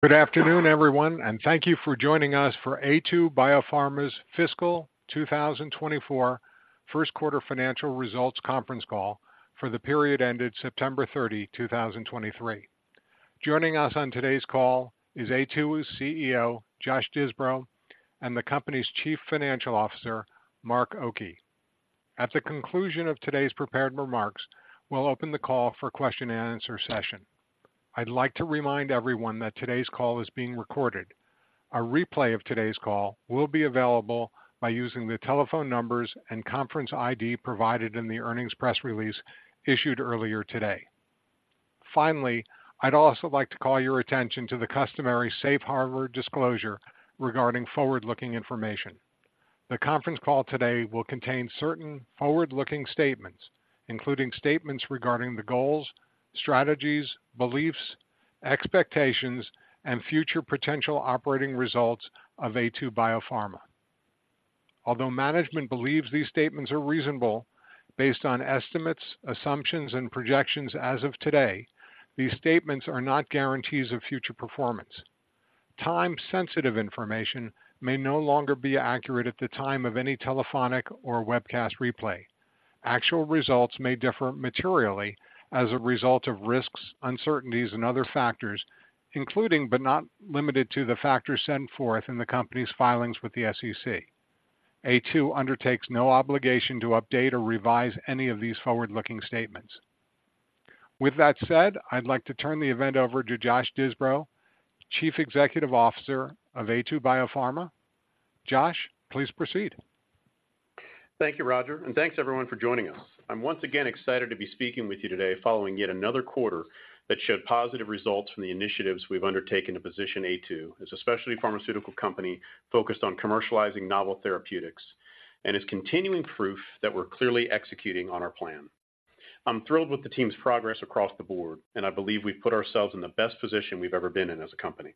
Good afternoon, everyone, and thank you for joining us for Aytu BioPharma's Fiscal 2024 First Quarter Financial Results Conference Call for the period ended September 30, 2023. Joining us on today's call is Aytu's CEO, Josh Disbrow, and the company's Chief Financial Officer, Mark Oki. At the conclusion of today's prepared remarks, we'll open the call for a question-and-answer session. I'd like to remind everyone that today's call is being recorded. A replay of today's call will be available by using the telephone numbers and conference ID provided in the earnings press release issued earlier today. Finally, I'd also like to call your attention to the customary Safe Harbor disclosure regarding forward-looking information. The conference call today will contain certain forward-looking statements, including statements regarding the goals, strategies, beliefs, expectations, and future potential operating results of Aytu BioPharma. Although management believes these statements are reasonable, based on estimates, assumptions, and projections as of today, these statements are not guarantees of future performance. Time-sensitive information may no longer be accurate at the time of any telephonic or webcast replay. Actual results may differ materially as a result of risks, uncertainties and other factors, including, but not limited to, the factors set forth in the Company's filings with the SEC. Aytu undertakes no obligation to update or revise any of these forward-looking statements. With that said, I'd like to turn the event over to Josh Disbrow, Chief Executive Officer of Aytu BioPharma. Josh, please proceed. Thank you, Roger, and thanks everyone for joining us. I'm once again excited to be speaking with you today following yet another quarter that showed positive results from the initiatives we've undertaken to position Aytu as a specialty pharmaceutical company focused on commercializing novel therapeutics, and is continuing proof that we're clearly executing on our plan. I'm thrilled with the team's progress across the board, and I believe we've put ourselves in the best position we've ever been in as a company.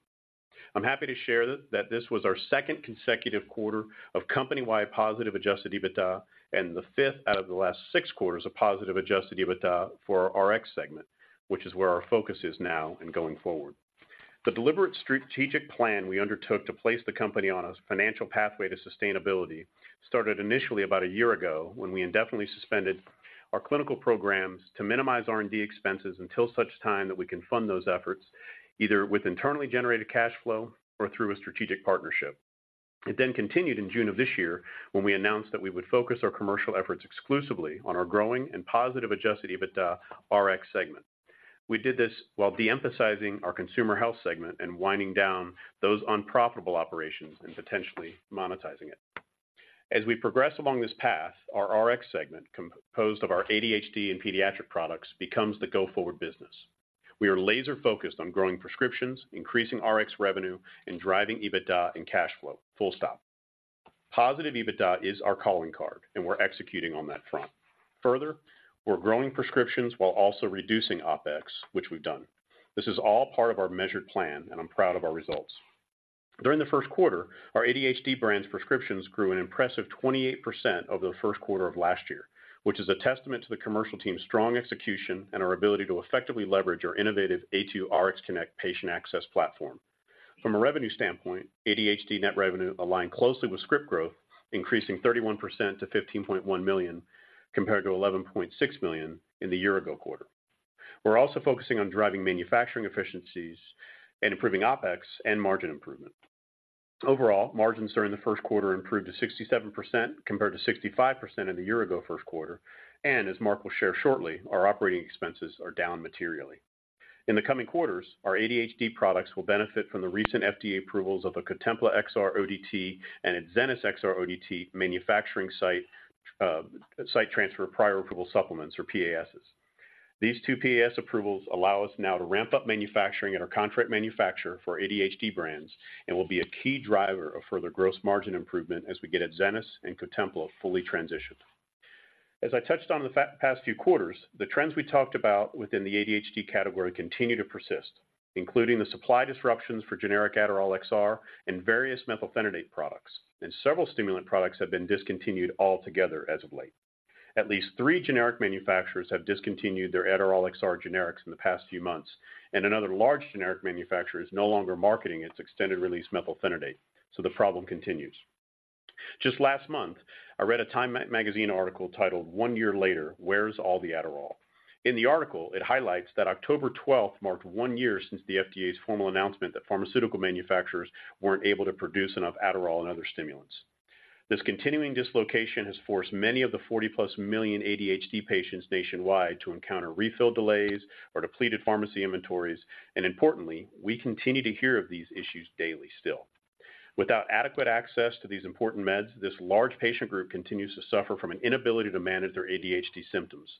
I'm happy to share that this was our second consecutive quarter of company-wide positive Adjusted EBITDA and the fifth out of the last six quarters of positive Adjusted EBITDA for our Rx segment, which is where our focus is now and going forward. The deliberate strategic plan we undertook to place the company on a financial pathway to sustainability started initially about a year ago, when we indefinitely suspended our clinical programs to minimize R&D expenses until such time that we can fund those efforts, either with internally generated cash flow or through a strategic partnership. It then continued in June of this year when we announced that we would focus our commercial efforts exclusively on our growing and positive adjusted EBITDA Rx segment. We did this while de-emphasizing our consumer health segment and winding down those unprofitable operations and potentially monetizing it. As we progress along this path, our Rx segment, composed of our ADHD and pediatric products, becomes the go-forward business. We are laser-focused on growing prescriptions, increasing Rx revenue, and driving EBITDA and cash flow, full stop. Positive EBITDA is our calling card, and we're executing on that front. Further, we're growing prescriptions while also reducing OpEx, which we've done. This is all part of our measured plan, and I'm proud of our results. During the first quarter, our ADHD brand prescriptions grew an impressive 28% over the first quarter of last year, which is a testament to the commercial team's strong execution and our ability to effectively leverage our innovative Aytu RxConnect patient access platform. From a revenue standpoint, ADHD net revenue aligned closely with script growth, increasing 31% to $15.1 million, compared to $11.6 million in the year-ago quarter. We're also focusing on driving manufacturing efficiencies and improving OpEx and margin improvement. Overall, margins during the first quarter improved to 67%, compared to 65% in the year-ago first quarter, and as Mark will share shortly, our operating expenses are down materially. In the coming quarters, our ADHD products will benefit from the recent FDA approvals of the Cotempla XR-ODT and Adzenys XR-ODT manufacturing site, site transfer of Prior Approval Supplements, or PASs. These two PAS approvals allow us now to ramp up manufacturing at our contract manufacturer for ADHD brands and will be a key driver of further gross margin improvement as we get Adzenys and Cotempla fully transitioned. As I touched on the past few quarters, the trends we talked about within the ADHD category continue to persist, including the supply disruptions for generic Adderall XR and various methylphenidate products, and several stimulant products have been discontinued altogether as of late. At least three generic manufacturers have discontinued their Adderall XR generics in the past few months, and another large generic manufacturer is no longer marketing its extended-release methylphenidate, so the problem continues. Just last month, I read a Time magazine article titled "One Year Later, Where's All the Adderall?" In the article, it highlights that October twelfth marked one year since the FDA's formal announcement that pharmaceutical manufacturers weren't able to produce enough Adderall and other stimulants. This continuing dislocation has forced many of the 40+ million ADHD patients nationwide to encounter refill delays or depleted pharmacy inventories, and importantly, we continue to hear of these issues daily still. Without adequate access to these important meds, this large patient group continues to suffer from an inability to manage their ADHD symptoms,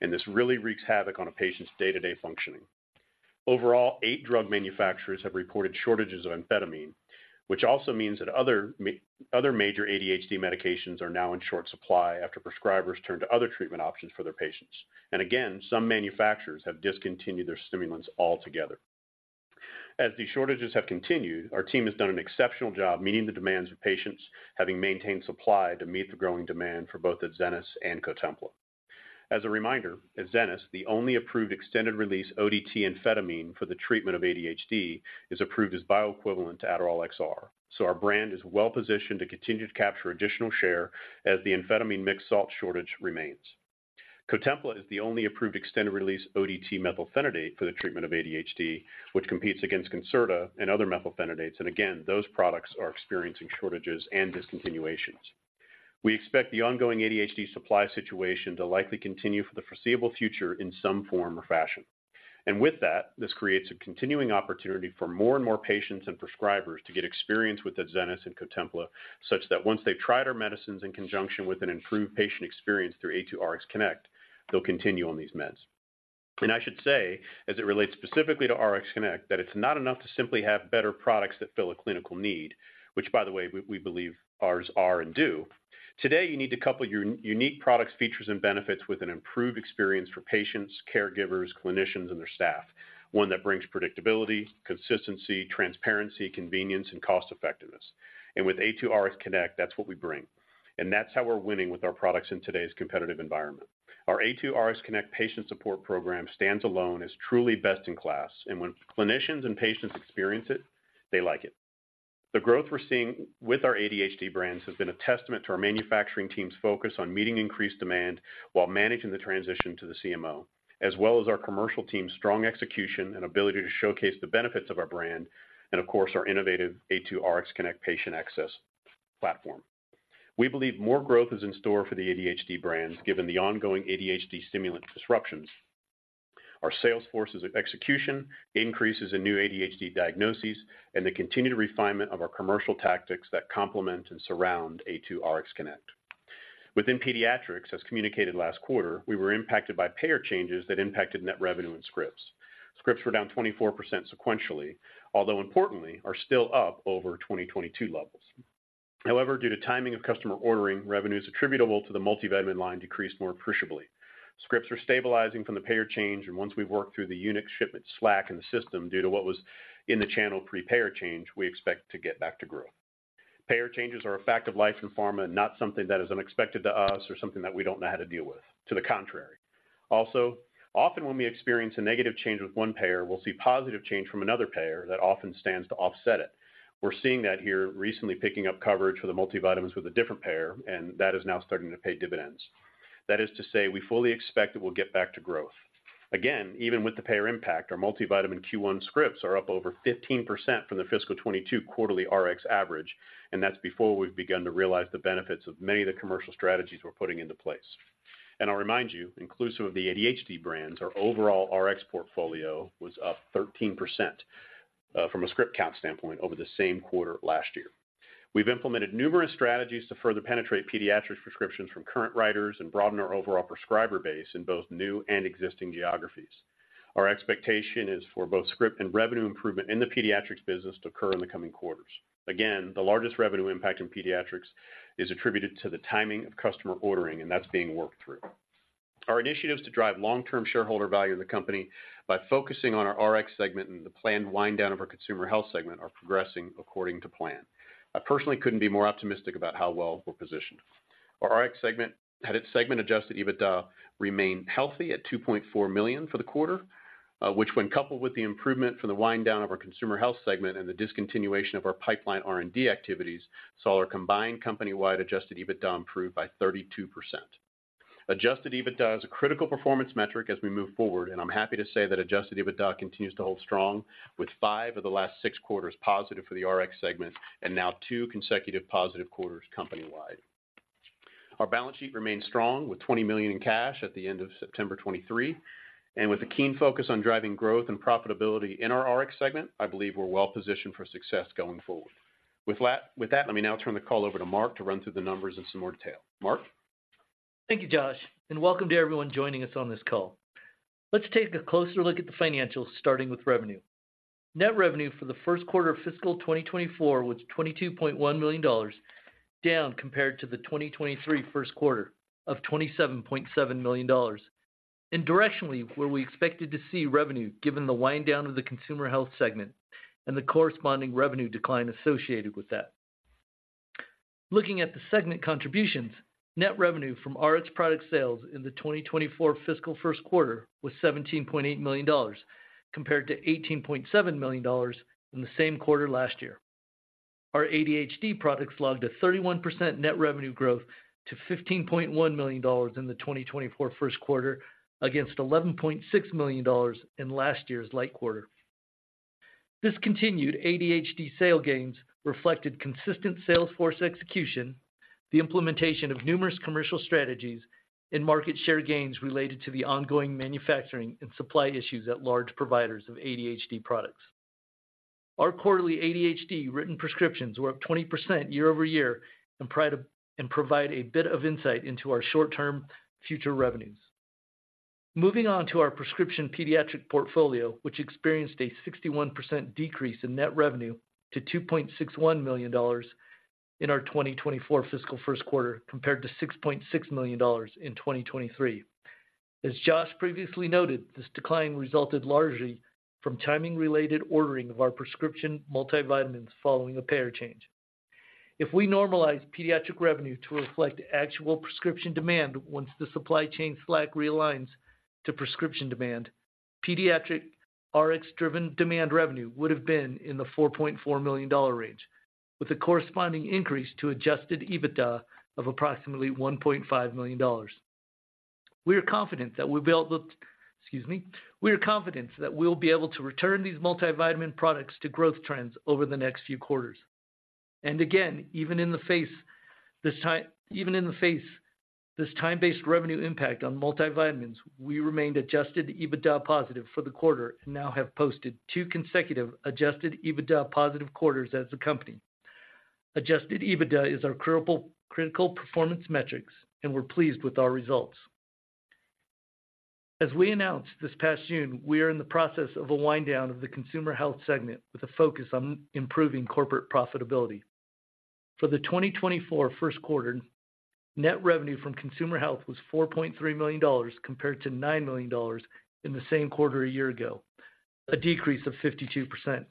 and this really wreaks havoc on a patient's day-to-day functioning. Overall, 8 drug manufacturers have reported shortages of amphetamine, which also means that other major ADHD medications are now in short supply after prescribers turned to other treatment options for their patients. And again, some manufacturers have discontinued their stimulants altogether. As these shortages have continued, our team has done an exceptional job meeting the demands of patients, having maintained supply to meet the growing demand for both Adzenys and Cotempla. As a reminder, Adzenys, the only approved extended-release ODT amphetamine for the treatment of ADHD, is approved as bioequivalent to Adderall XR, so our brand is well-positioned to continue to capture additional share as the amphetamine mixed salt shortage remains. Cotempla is the only approved extended-release ODT methylphenidate for the treatment of ADHD, which competes against Concerta and other methylphenidates, and again, those products are experiencing shortages and discontinuations. We expect the ongoing ADHD supply situation to likely continue for the foreseeable future in some form or fashion. And with that, this creates a continuing opportunity for more and more patients and prescribers to get experience with Adzenys and Cotempla, such that once they've tried our medicines in conjunction with an improved patient experience through Aytu RxConnect, they'll continue on these meds. And I should say, as it relates specifically to Rx Connect, that it's not enough to simply have better products that fill a clinical need, which, by the way, we, we believe ours are and do. Today, you need to couple your unique products, features, and benefits with an improved experience for patients, caregivers, clinicians, and their staff, one that brings predictability, consistency, transparency, convenience, and cost effectiveness. And with Aytu RxConnect, that's what we bring, and that's how we're winning with our products in today's competitive environment. Our Aytu RxConnect patient support program stands alone as truly best-in-class, and when clinicians and patients experience it, they like it. The growth we're seeing with our ADHD brands has been a testament to our manufacturing team's focus on meeting increased demand while managing the transition to the CMO, as well as our commercial team's strong execution and ability to showcase the benefits of our brand and, of course, our innovative Aytu RxConnect patient access platform. We believe more growth is in store for the ADHD brands, given the ongoing ADHD stimulant disruptions. Our sales force's execution increases in new ADHD diagnoses and the continued refinement of our commercial tactics that complement and surround Aytu RxConnect. Within pediatrics, as communicated last quarter, we were impacted by payer changes that impacted net revenue and scripts. Scripts were down 24% sequentially, although importantly, are still up over 2022 levels. However, due to timing of customer ordering, revenues attributable to the multivitamin line decreased more appreciably. Scripts are stabilizing from the payer change, and once we've worked through the unique shipment slack in the system due to what was in the channel pre-payer change, we expect to get back to growth. Payer changes are a fact of life in pharma and not something that is unexpected to us or something that we don't know how to deal with. To the contrary. Also, often when we experience a negative change with one payer, we'll see positive change from another payer that often stands to offset it. We're seeing that here, recently picking up coverage for the multivitamins with a different payer, and that is now starting to pay dividends. That is to say, we fully expect that we'll get back to growth. Again, even with the payer impact, our multivitamin Q1 scripts are up over 15% from the fiscal 2022 quarterly Rx average, and that's before we've begun to realize the benefits of many of the commercial strategies we're putting into place. I'll remind you, inclusive of the ADHD brands, our overall Rx portfolio was up 13%, from a script count standpoint, over the same quarter last year. We've implemented numerous strategies to further penetrate pediatric prescriptions from current writers and broaden our overall prescriber base in both new and existing geographies. Our expectation is for both script and revenue improvement in the pediatrics business to occur in the coming quarters. Again, the largest revenue impact in pediatrics is attributed to the timing of customer ordering, and that's being worked through. Our initiatives to drive long-term shareholder value in the company by focusing on our Rx segment and the planned wind down of our consumer health segment are progressing according to plan. I personally couldn't be more optimistic about how well we're positioned. Our Rx segment had its segment Adjusted EBITDA remain healthy at $2.4 million for the quarter, which when coupled with the improvement from the wind down of our consumer health segment and the discontinuation of our pipeline R&D activities, saw our combined company-wide Adjusted EBITDA improve by 32%. Adjusted EBITDA is a critical performance metric as we move forward, and I'm happy to say that Adjusted EBITDA continues to hold strong with five of the last six quarters positive for the Rx segment and now two consecutive positive quarters company-wide. Our balance sheet remains strong, with $20 million in cash at the end of September 2023, and with a keen focus on driving growth and profitability in our Rx segment, I believe we're well positioned for success going forward. With that, let me now turn the call over to Mark to run through the numbers in some more detail. Mark? Thank you, Josh, and welcome to everyone joining us on this call. Let's take a closer look at the financials, starting with revenue. Net revenue for the first quarter of fiscal 2024 was $22.1 million, down compared to the 2023 first quarter of $27.7 million. Directionally, where we expected to see revenue, given the wind down of the consumer health segment and the corresponding revenue decline associated with that. Looking at the segment contributions, net revenue from Rx product sales in the 2024 fiscal first quarter was $17.8 million, compared to $18.7 million in the same quarter last year. Our ADHD products logged a 31% net revenue growth to $15.1 million in the 2024 first quarter, against $11.6 million in last year's first quarter. This continued ADHD sales gains reflected consistent sales force execution, the implementation of numerous commercial strategies, and market share gains related to the ongoing manufacturing and supply issues at large providers of ADHD products. Our quarterly ADHD written prescriptions were up 20% year-over-year and provide a bit of insight into our short-term future revenues. Moving on to our prescription pediatric portfolio, which experienced a 61% decrease in net revenue to $2.61 million in our 2024 fiscal first quarter, compared to $6.6 million in 2023. As Josh previously noted, this decline resulted largely from timing-related ordering of our prescription multivitamins following a payer change. If we normalize pediatric revenue to reflect actual prescription demand once the supply chain slack realigns to prescription demand, pediatric Rx driven demand revenue would have been in the $4.4 million range, with a corresponding increase to Adjusted EBITDA of approximately $1.5 million. We are confident that we'll be able to—excuse me. We are confident that we'll be able to return these multivitamin products to growth trends over the next few quarters. And again, even in the face, this time, even in the face, this time-based revenue impact on multivitamins, we remained Adjusted EBITDA positive for the quarter and now have posted two consecutive Adjusted EBITDA positive quarters as a company. Adjusted EBITDA is our critical, critical performance metrics, and we're pleased with our results. As we announced this past June, we are in the process of a wind down of the consumer health segment with a focus on improving corporate profitability. For the 2024 first quarter, net revenue from consumer health was $4.3 million, compared to $9 million in the same quarter a year ago, a decrease of 52%.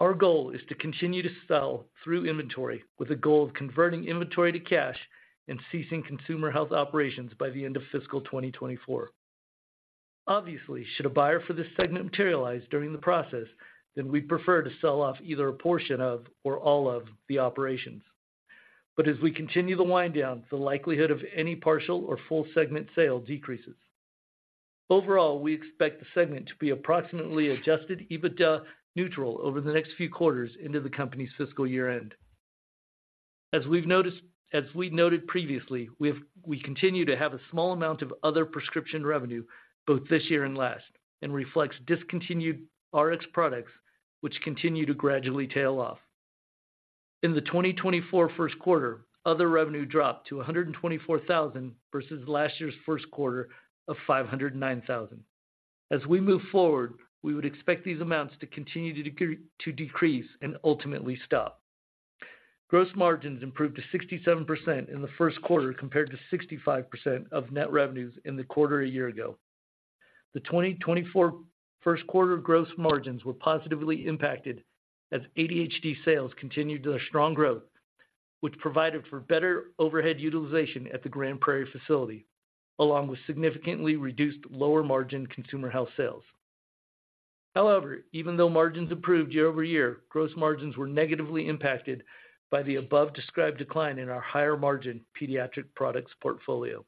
Our goal is to continue to sell through inventory with a goal of converting inventory to cash and ceasing consumer health operations by the end of fiscal 2024. Obviously, should a buyer for this segment materialize during the process, then we'd prefer to sell off either a portion of or all of the operations. But as we continue the wind down, the likelihood of any partial or full segment sale decreases. Overall, we expect the segment to be approximately Adjusted EBITDA neutral over the next few quarters into the company's fiscal year-end. As we noted previously, we continue to have a small amount of other prescription revenue both this year and last, and reflects discontinued Rx products, which continue to gradually tail off. In the 2024 first quarter, other revenue dropped to $124,000 versus last year's first quarter of $509,000. As we move forward, we would expect these amounts to continue to decrease and ultimately stop. Gross margins improved to 67% in the first quarter, compared to 65% of net revenues in the quarter a year ago. The 2024 first quarter gross margins were positively impacted as ADHD sales continued their strong growth, which provided for better overhead utilization at the Grand Prairie facility, along with significantly reduced lower-margin consumer health sales. However, even though margins improved year-over-year, gross margins were negatively impacted by the above-described decline in our higher-margin pediatric products portfolio.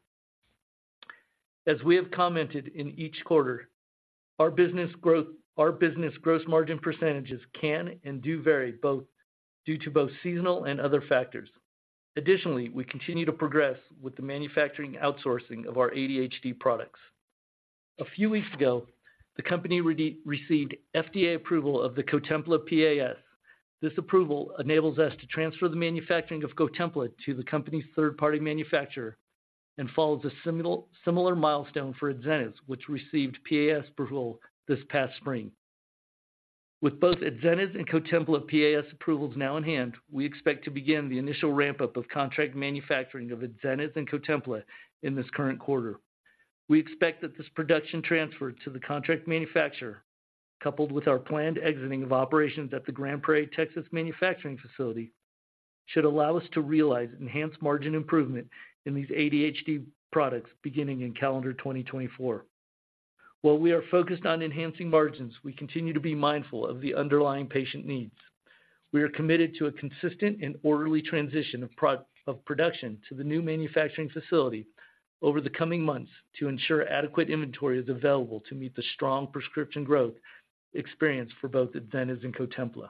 As we have commented in each quarter, our business gross margin percentages can and do vary both, due to both seasonal and other factors. Additionally, we continue to progress with the manufacturing outsourcing of our ADHD products. A few weeks ago, the company received FDA approval of the Cotempla PAS. This approval enables us to transfer the manufacturing of Cotempla to the company's third-party manufacturer and follows a similar, similar milestone for Adzenys, which received PAS approval this past spring. With both Adzenys and Cotempla PAS approvals now in hand, we expect to begin the initial ramp-up of contract manufacturing of Adzenys and Cotempla in this current quarter. We expect that this production transfer to the contract manufacturer, coupled with our planned exiting of operations at the Grand Prairie, Texas, manufacturing facility, should allow us to realize enhanced margin improvement in these ADHD products beginning in calendar 2024. While we are focused on enhancing margins, we continue to be mindful of the underlying patient needs. We are committed to a consistent and orderly transition of of production to the new manufacturing facility over the coming months to ensure adequate inventory is available to meet the strong prescription growth experience for both Adzenys and Cotempla.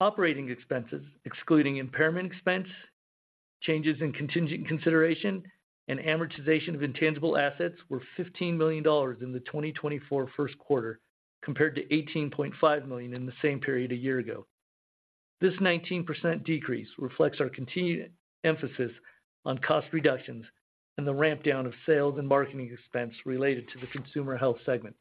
Operating expenses, excluding impairment expense, changes in contingent consideration, and amortization of intangible assets, were $15 million in the 2024 first quarter, compared to $18.5 million in the same period a year ago. This 19% decrease reflects our continued emphasis on cost reductions and the ramp down of sales and marketing expense related to the consumer health segment.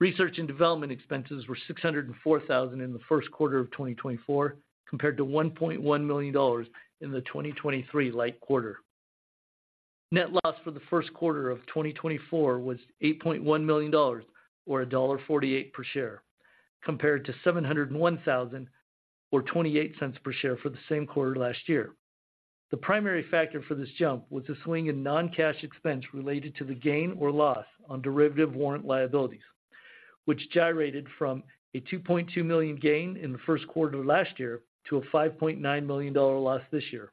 Research and development expenses were $604,000 in the first quarter of 2024, compared to $1.1 million in the 2023 first quarter. Net loss for the first quarter of 2024 was $8.1 million, or $1.48 per share, compared to $701,000 or 28 cents per share for the same quarter last year. The primary factor for this jump was a swing in non-cash expense related to the gain or loss on derivative warrant liabilities, which gyrated from a $2.2 million gain in the first quarter of last year to a $5.9 million loss this year,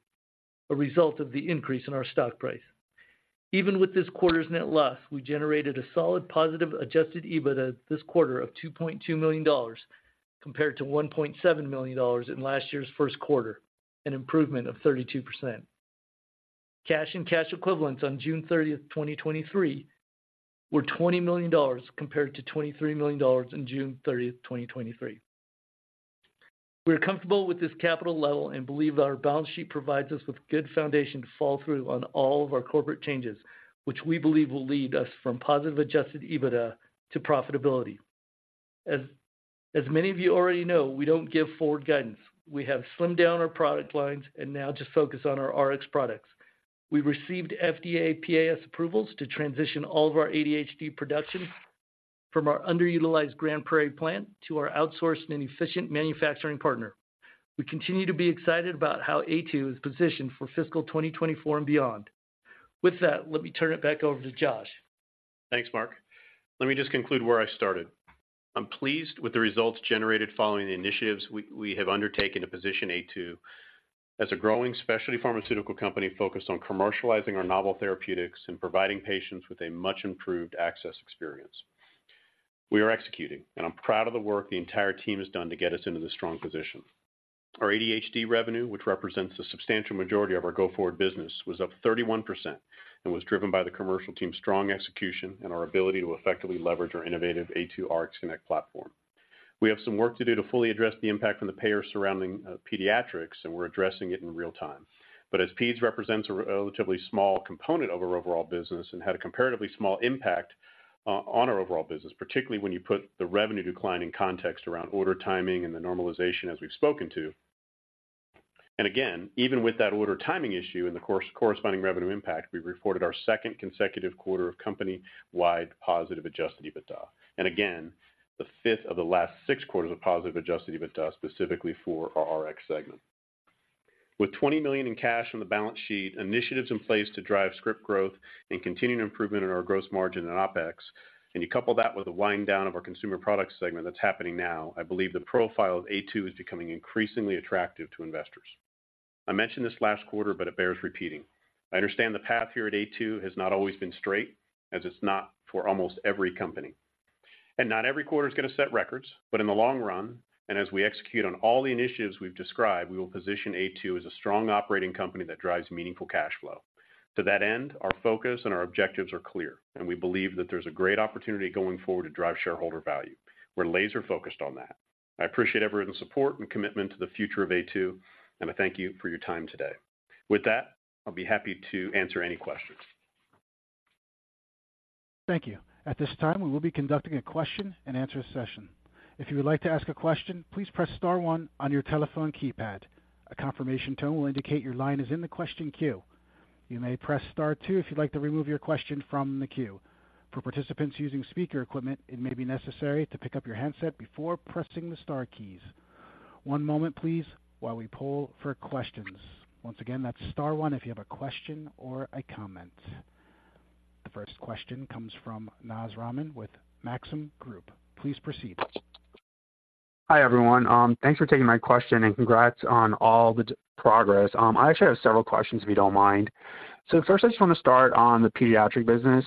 a result of the increase in our stock price. Even with this quarter's net loss, we generated a solid positive Adjusted EBITDA this quarter of $2.2 million, compared to $1.7 million in last year's first quarter, an improvement of 32%. Cash and cash equivalents on June 30, 2023, were $20 million compared to $23 million on June 30, 2023. We are comfortable with this capital level and believe that our balance sheet provides us with good foundation to follow through on all of our corporate changes, which we believe will lead us from positive adjusted EBITDA to profitability. As many of you already know, we don't give forward guidance. We have slimmed down our product lines and now just focus on our Rx products. We received FDA PAS approvals to transition all of our ADHD production.... from our underutilized Grand Prairie plant to our outsourced and efficient manufacturing partner. We continue to be excited about how Aytu is positioned for fiscal 2024 and beyond. With that, let me turn it back over to Josh. Thanks, Mark. Let me just conclude where I started. I'm pleased with the results generated following the initiatives we have undertaken to position Aytu as a growing specialty pharmaceutical company focused on commercializing our novel therapeutics and providing patients with a much improved access experience. We are executing, and I'm proud of the work the entire team has done to get us into this strong position. Our ADHD revenue, which represents a substantial majority of our go-forward business, was up 31% and was driven by the commercial team's strong execution and our ability to effectively leverage our innovative Aytu RxConnect platform. We have some work to do to fully address the impact from the payer surrounding pediatrics, and we're addressing it in real time. As peds represents a relatively small component of our overall business and had a comparatively small impact on our overall business, particularly when you put the revenue decline in context around order timing and the normalization, as we've spoken to. Again, even with that order timing issue and the corresponding revenue impact, we reported our second consecutive quarter of company-wide positive adjusted EBITDA. Again, the fifth of the last six quarters of positive adjusted EBITDA, specifically for our Rx segment. With $20 million in cash on the balance sheet, initiatives in place to drive script growth and continuing improvement in our gross margin and OpEx, and you couple that with the winding down of our consumer product segment that's happening now, I believe the profile of Aytu is becoming increasingly attractive to investors. I mentioned this last quarter, but it bears repeating. I understand the path here at Aytu has not always been straight, as it's not for almost every company. Not every quarter is going to set records, but in the long run, and as we execute on all the initiatives we've described, we will position Aytu as a strong operating company that drives meaningful cash flow. To that end, our focus and our objectives are clear, and we believe that there's a great opportunity going forward to drive shareholder value. We're laser-focused on that. I appreciate everyone's support and commitment to the future of Aytu, and I thank you for your time today. With that, I'll be happy to answer any questions. Thank you. At this time, we will be conducting a question-and-answer session. If you would like to ask a question, please press star one on your telephone keypad. A confirmation tone will indicate your line is in the question queue. You may press star two if you'd like to remove your question from the queue. For participants using speaker equipment, it may be necessary to pick up your handset before pressing the star keys. One moment, please, while we poll for questions. Once again, that's star one if you have a question or a comment. The first question comes from Naz Rahman with Maxim Group. Please proceed. Hi, everyone. Thanks for taking my question and congrats on all the progress. I actually have several questions, if you don't mind. So first, I just want to start on the pediatric business,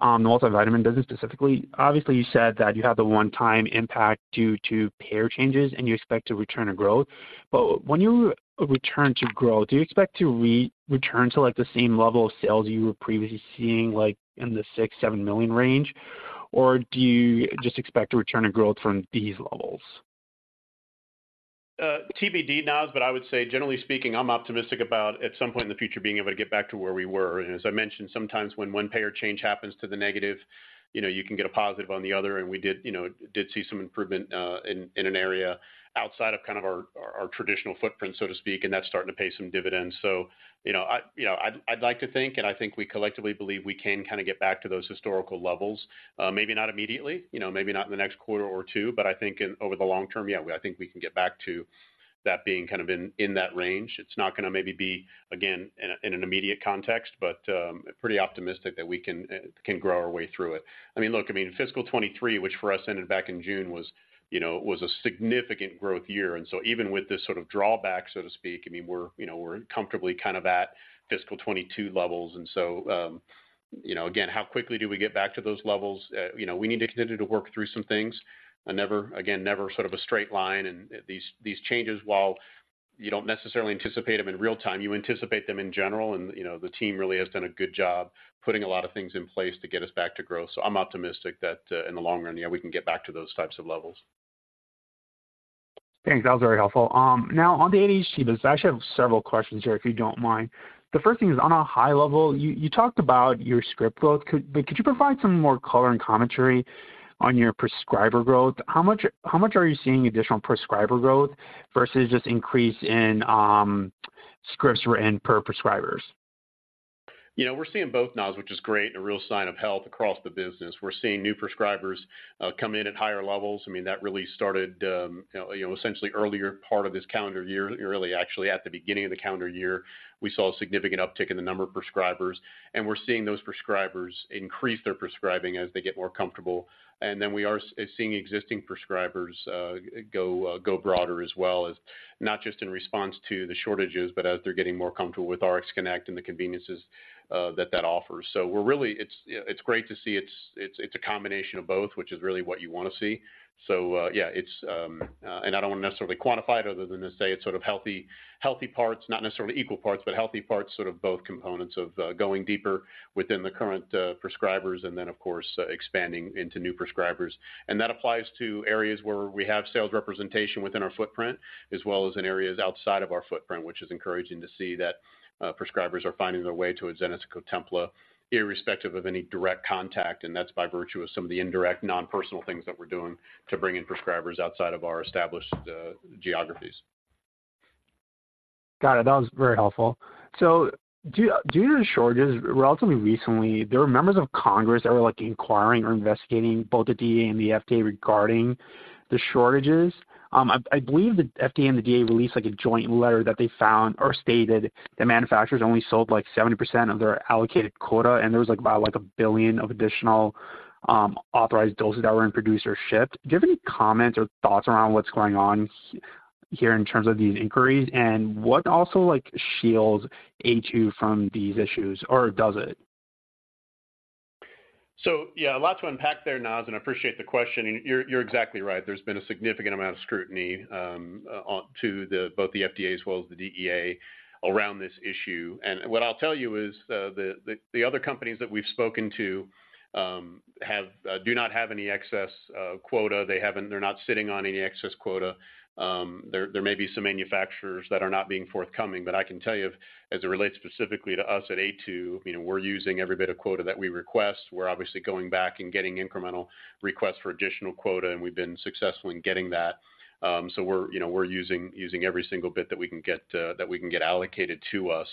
the multivitamin business, specifically. Obviously, you said that you have the one-time impact due to payer changes, and you expect to return to growth. But when you return to growth, do you expect to return to, like, the same level of sales you were previously seeing, like in the $6-$7 million range? Or do you just expect to return to growth from these levels? TBD, Naz, but I would say, generally speaking, I'm optimistic about, at some point in the future, being able to get back to where we were. And as I mentioned, sometimes when one payer change happens to the negative, you know, you can get a positive on the other, and we did, you know, did see some improvement, in, in an area outside of kind of our, our traditional footprint, so to speak, and that's starting to pay some dividends. So, you know, I, you know, I'd, I'd like to think, and I think we collectively believe we can kinda get back to those historical levels, maybe not immediately, you know, maybe not in the next quarter or two, but I think in, over the long term, yeah, I think we can get back to that being kind of in, in that range. It's not gonna maybe be, again, in an immediate context, but pretty optimistic that we can grow our way through it. I mean, look, I mean, fiscal 2023, which for us ended back in June, was, you know, a significant growth year. And so even with this sort of drawback, so to speak, I mean, we're, you know, comfortably kind of at fiscal 2022 levels. And so, you know, again, how quickly do we get back to those levels? You know, we need to continue to work through some things and never, again, never sort of a straight line. And these changes, while you don't necessarily anticipate them in real time, you anticipate them in general. And, you know, the team really has done a good job putting a lot of things in place to get us back to growth. I'm optimistic that, in the long run, yeah, we can get back to those types of levels. Thanks. That was very helpful. Now on the ADHD business, I actually have several questions here, if you don't mind. The first thing is, on a high level, you talked about your script growth. But could you provide some more color and commentary on your prescriber growth? How much are you seeing additional prescriber growth versus just increase in scripts written per prescribers? You know, we're seeing both, Naz, which is great and a real sign of health across the business. We're seeing new prescribers come in at higher levels. I mean, that really started, you know, essentially earlier part of this calendar year, early actually, at the beginning of the calendar year, we saw a significant uptick in the number of prescribers, and we're seeing those prescribers increase their prescribing as they get more comfortable. And then we are seeing existing prescribers go broader as well as not just in response to the shortages, but as they're getting more comfortable with RxConnect and the conveniences that that offers. So we're really... It's great to see. It's a combination of both, which is really what you want to see. So, yeah, it's... I don't want to necessarily quantify it other than to say it's sort of healthy, healthy parts, not necessarily equal parts, but healthy parts, sort of both components of going deeper within the current prescribers and then, of course, expanding into new prescribers. And that applies to areas where we have sales representation within our footprint, as well as in areas outside of our footprint, which is encouraging to see that prescribers are finding their way to Adzenys, Cotempla, irrespective of any direct contact, and that's by virtue of some of the indirect, non-personal things that we're doing to bring in prescribers outside of our established geographies.... Got it. That was very helpful. So due to the shortages, relatively recently, there were members of Congress that were, like, inquiring or investigating both the DEA and the FDA regarding the shortages. I believe the FDA and the DEA released, like, a joint letter that they found or stated that manufacturers only sold, like, 70% of their allocated quota, and there was, like, about 1 billion additional authorized doses that were unproducer shipped. Do you have any comments or thoughts around what's going on here in terms of these inquiries, and what also, like, shields ADHD from these issues, or does it? So, yeah, a lot to unpack there, Naz, and I appreciate the question, and you're, you're exactly right. There's been a significant amount of scrutiny on both the FDA as well as the DEA around this issue. And what I'll tell you is, the other companies that we've spoken to do not have any excess quota. They haven't. They're not sitting on any excess quota. There may be some manufacturers that are not being forthcoming, but I can tell you, as it relates specifically to us at Aytu, you know, we're using every bit of quota that we request. We're obviously going back and getting incremental requests for additional quota, and we've been successful in getting that. So we're, you know, we're using every single bit that we can get that we can get allocated to us.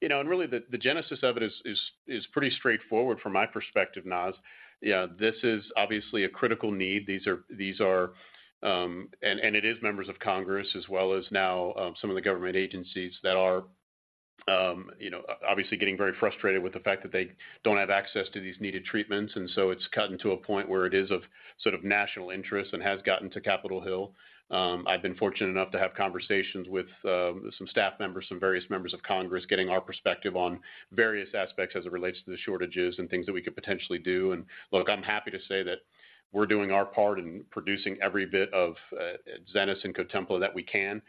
You know, and really, the genesis of it is pretty straightforward from my perspective, Naz. Yeah, this is obviously a critical need. These are... and it is members of Congress as well as now some of the government agencies that are, you know, obviously getting very frustrated with the fact that they don't have access to these needed treatments, and so it's gotten to a point where it is of sort of national interest and has gotten to Capitol Hill. I've been fortunate enough to have conversations with some staff members, some various members of Congress, getting our perspective on various aspects as it relates to the shortages and things that we could potentially do. And look, I'm happy to say that we're doing our part in producing every bit of Adzenys and Cotempla that we can,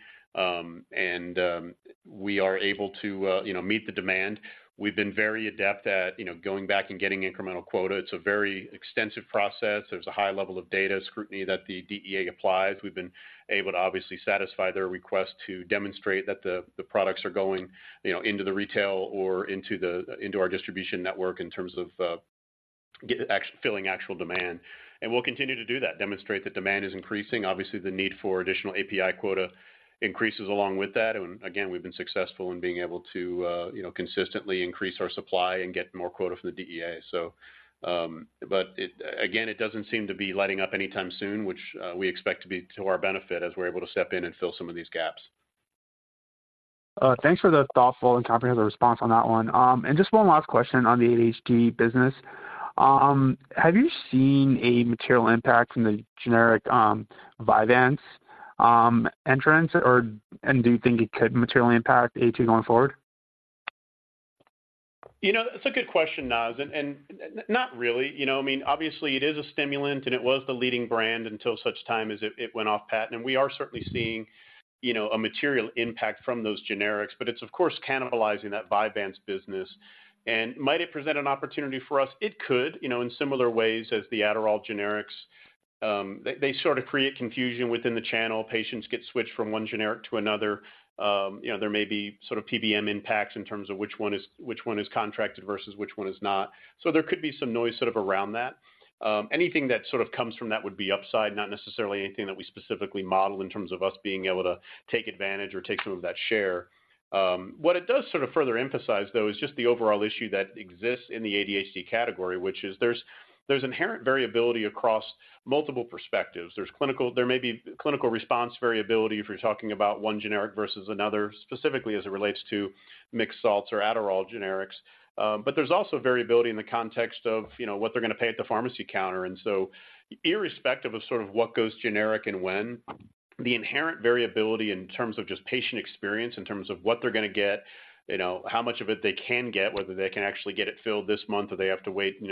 we are able to, you know, meet the demand. We've been very adept at, you know, going back and getting incremental quota. It's a very extensive process. There's a high level of data scrutiny that the DEA applies. We've been able to obviously satisfy their request to demonstrate that the products are going, you know, into the retail or into our distribution network in terms of getting, actually filling actual demand. And we'll continue to do that, demonstrate that demand is increasing. Obviously, the need for additional API quota increases along with that. And again, we've been successful in being able to, you know, consistently increase our supply and get more quota from the DEA. So, but again, it doesn't seem to be letting up anytime soon, which we expect to be to our benefit as we're able to step in and fill some of these gaps. Thanks for the thoughtful and comprehensive response on that one. Just one last question on the ADHD business. Have you seen a material impact from the generic Vyvanse entry, or do you think it could materially impact ADHD going forward? You know, that's a good question, Naz, and not really. You know, I mean, obviously it is a stimulant, and it was the leading brand until such time as it went off patent. And we are certainly seeing, you know, a material impact from those generics, but it's, of course, cannibalizing that Vyvanse business. And might it present an opportunity for us? It could, you know, in similar ways as the Adderall generics. They sort of create confusion within the channel. Patients get switched from one generic to another. You know, there may be sort of PBM impacts in terms of which one is contracted versus which one is not. So there could be some noise sort of around that. Anything that sort of comes from that would be upside, not necessarily anything that we specifically model in terms of us being able to take advantage or take some of that share. What it does sort of further emphasize, though, is just the overall issue that exists in the ADHD category, which is there's inherent variability across multiple perspectives. There may be clinical response variability if you're talking about one generic versus another, specifically as it relates to mixed salts or Adderall generics. But there's also variability in the context of, you know, what they're going to pay at the pharmacy counter. And so irrespective of sort of what goes generic and when, the inherent variability in terms of just patient experience, in terms of what they're going to get, you know, how much of it they can get, whether they can actually get it filled this month, or they have to wait, you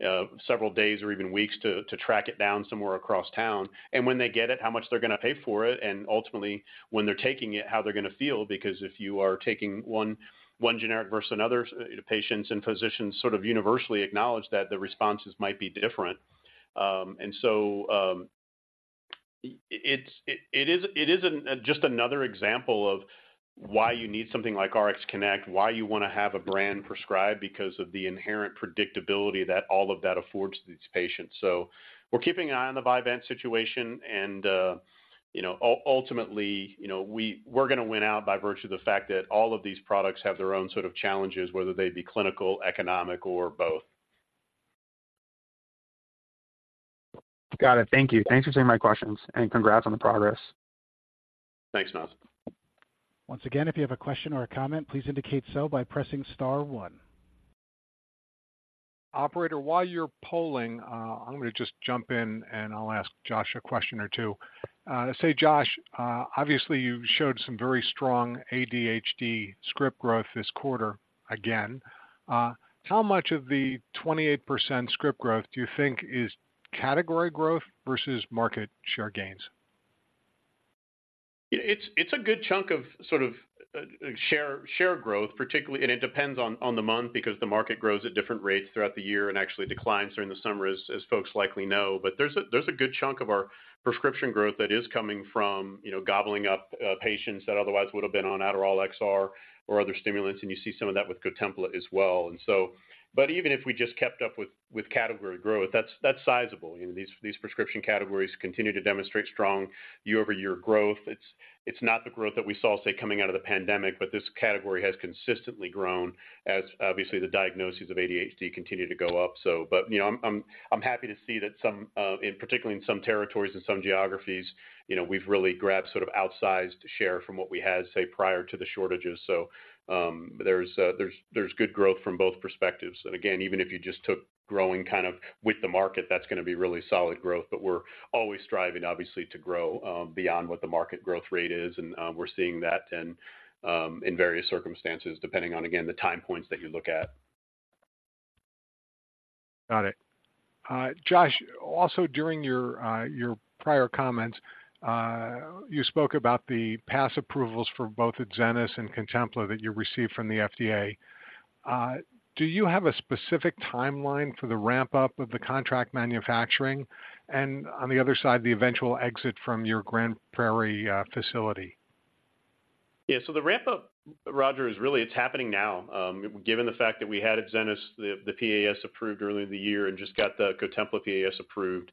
know, several days or even weeks to track it down somewhere across town. And when they get it, how much they're going to pay for it, and ultimately, when they're taking it, how they're going to feel, because if you are taking one generic versus another, patients and physicians sort of universally acknowledge that the responses might be different. And so, it isn't just another example of why you need something like RxConnect, why you want to have a brand prescribed because of the inherent predictability that all of that affords these patients. So we're keeping an eye on the Vyvanse situation and, you know, ultimately, you know, we're going to win out by virtue of the fact that all of these products have their own sort of challenges, whether they be clinical, economic, or both. Got it. Thank you. Thanks for taking my questions, and congrats on the progress. Thanks, Naz. Once again, if you have a question or a comment, please indicate so by pressing star one. Operator, while you're polling, I'm going to just jump in, and I'll ask Josh a question or two. Say, Josh, obviously, you've showed some very strong ADHD script growth this quarter again. How much of the 28% script growth do you think is category growth versus market share gains?... Yeah, it's a good chunk of sort of share growth, particularly, and it depends on the month, because the market grows at different rates throughout the year and actually declines during the summer, as folks likely know. But there's a good chunk of our prescription growth that is coming from, you know, gobbling up patients that otherwise would have been on Adderall XR or other stimulants, and you see some of that with Cotempla as well. And so, but even if we just kept up with category growth, that's sizable. You know, these prescription categories continue to demonstrate strong year-over-year growth. It's not the growth that we saw, say, coming out of the pandemic, but this category has consistently grown as, obviously, the diagnoses of ADHD continue to go up. But, you know, I'm happy to see that some, in particular, in some territories and some geographies, you know, we've really grabbed sort of outsized share from what we had, say, prior to the shortages. So, there's good growth from both perspectives. And again, even if you just took growing kind of with the market, that's gonna be really solid growth. But we're always striving, obviously, to grow beyond what the market growth rate is, and we're seeing that in various circumstances, depending on, again, the time points that you look at. Got it. Josh, also, during your prior comments, you spoke about the past approvals for both Adzenys and Cotempla that you received from the FDA. Do you have a specific timeline for the ramp-up of the contract manufacturing and, on the other side, the eventual exit from your Grand Prairie facility? Yeah. So the ramp-up, Roger, is really, it's happening now. Given the fact that we had Adzenys, the PAS approved earlier in the year and just got the Cotempla PAS approved,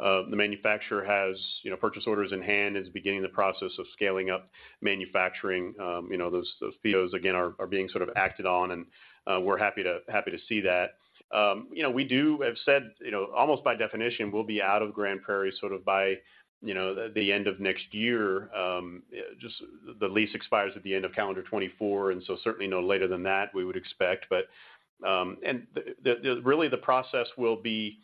the manufacturer has, you know, purchase orders in hand and is beginning the process of scaling up manufacturing. You know, those fees, again, are being sort of acted on, and we're happy to see that. You know, we have said, you know, almost by definition, we'll be out of Grand Prairie, sort of by, you know, the end of next year. Just the lease expires at the end of calendar 2024, and so certainly no later than that, we would expect. But really, the process will be,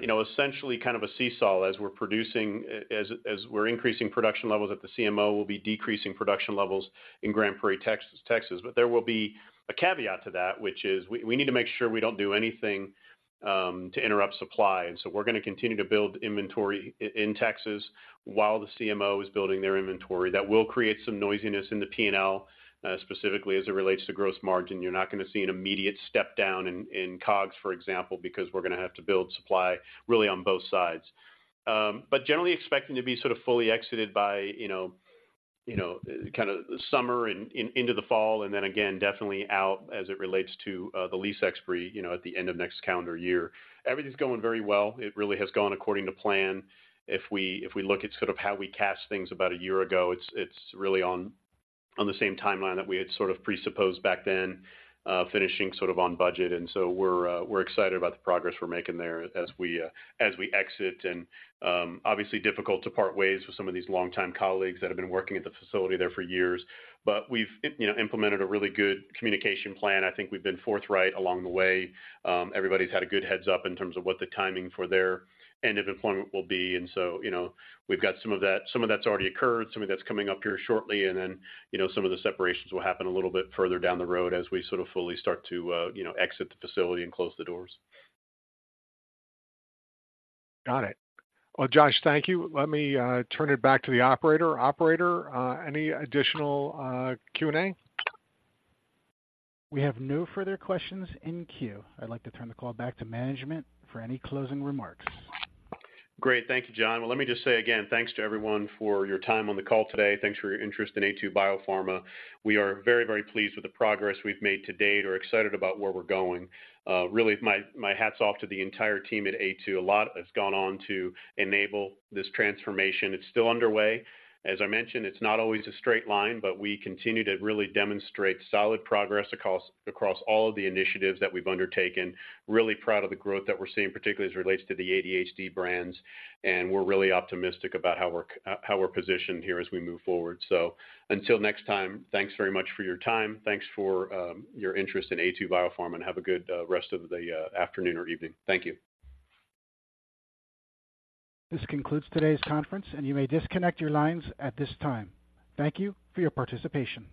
you know, essentially kind of a seesaw as we're producing—as we're increasing production levels at the CMO, we'll be decreasing production levels in Grand Prairie, Texas. But there will be a caveat to that, which is we need to make sure we don't do anything to interrupt supply. And so we're gonna continue to build inventory in Texas while the CMO is building their inventory. That will create some noisiness in the P&L, specifically as it relates to gross margin. You're not gonna see an immediate step down in Cogs, for example, because we're gonna have to build supply really on both sides. But generally expecting to be sort of fully exited by, you know, you know, kinda summer and into the fall, and then again, definitely out as it relates to the lease expiry, you know, at the end of next calendar year. Everything's going very well. It really has gone according to plan. If we look at sort of how we cast things about a year ago, it's really on the same timeline that we had sort of presupposed back then, finishing sort of on budget. And so we're excited about the progress we're making there as we exit. And obviously difficult to part ways with some of these long-time colleagues that have been working at the facility there for years. But we've, you know, implemented a really good communication plan. I think we've been forthright along the way. Everybody's had a good heads-up in terms of what the timing for their end of employment will be. And so, you know, we've got some of that, some of that's already occurred, some of that's coming up here shortly, and then, you know, some of the separations will happen a little bit further down the road as we sort of fully start to, you know, exit the facility and close the doors. Got it. Well, Josh, thank you. Let me turn it back to the operator. Operator, any additional Q&A? We have no further questions in queue. I'd like to turn the call back to management for any closing remarks. Great. Thank you, John. Well, let me just say again, thanks to everyone for your time on the call today. Thanks for your interest in Aytu BioPharma. We are very, very pleased with the progress we've made to date. We're excited about where we're going. Really, my, my hat's off to the entire team at Aytu. A lot has gone on to enable this transformation. It's still underway. As I mentioned, it's not always a straight line, but we continue to really demonstrate solid progress across all of the initiatives that we've undertaken. Really proud of the growth that we're seeing, particularly as it relates to the ADHD brands, and we're really optimistic about how we're positioned here as we move forward. So until next time, thanks very much for your time. Thanks for your interest in Aytu BioPharma, and have a good rest of the afternoon or evening. Thank you. This concludes today's conference, and you may disconnect your lines at this time. Thank you for your participation.